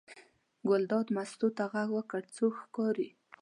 ګلداد مستو ته غږ وکړ: څوک ښکاري.